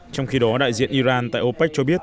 trong khi đó đại diện iran tại opec cho biết